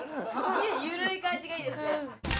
いや緩い感じがいいですね